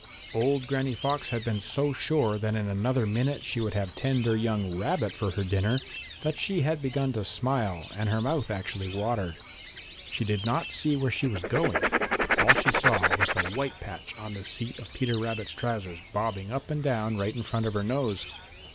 Old Granny Fox had been so sure that in another minute she would have tender young rabbit for her dinner that she had begun to smile and her mouth actually watered. She did not see where she was going. All she saw was the white patch on the seat of Peter Rabbit's trousers bobbing up and down right in front of her nose.